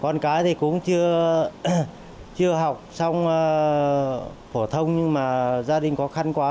con cái thì cũng chưa học xong phổ thông nhưng mà gia đình khó khăn quá